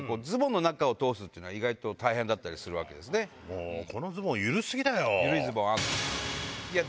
そして「このズボン緩過ぎだよ」。